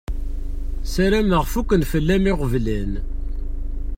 Sarameɣ fukken fell-am iɣeblan.